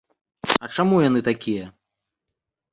А чаму яны такія?